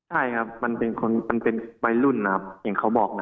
ใช่ครับมันเป็นวัยรุ่นนะครับอย่างเขาบอกนะ